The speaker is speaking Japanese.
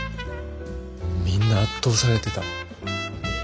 みんな圧倒されてた。